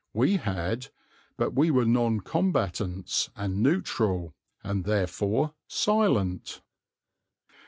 We had; but we were non combatants and neutral, and therefore silent.